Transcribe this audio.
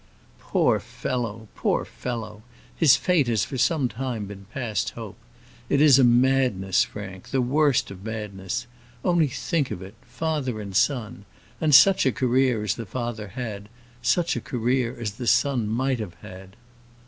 "Poor fellow poor fellow! His fate has for some time been past hope. It is a madness, Frank; the worst of madness. Only think of it father and son! And such a career as the father had such a career as the son might have had!"